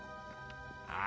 あ。